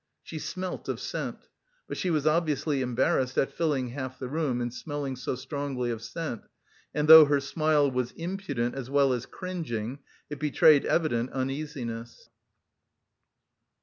She smelt of scent. But she was obviously embarrassed at filling half the room and smelling so strongly of scent; and though her smile was impudent as well as cringing, it betrayed evident uneasiness.